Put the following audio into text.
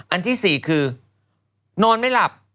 อันที่๔คือนอนไม่หลับ